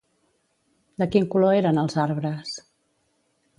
De quin color eren els arbres?